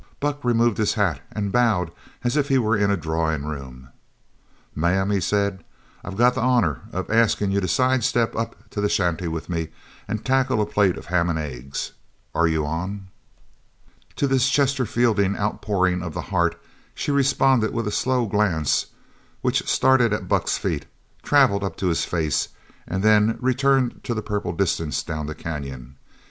Buck removed his hat and bowed as if he were in a drawing room. "Ma'am," he said, "I got the honour of askin' you to side step up to the shanty with me an' tackle a plate of ham an' eggs. Are you on?" To this Chesterfieldian outpouring of the heart, she responded with a slow glance which started at Buck's feet, travelled up to his face, and then returned to the purple distance down the canyon.